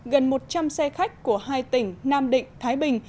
gần một trăm linh xe khách của hai tỉnh nam định thái bình